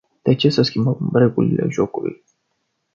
De ce să schimbăm regulile jocului?